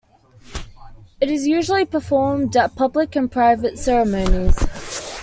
It is usually performed at public and private ceremonies.